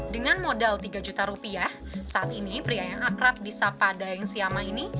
dengan modal tiga juta rupiah saat ini pria yang akrab di sapa daeng siama ini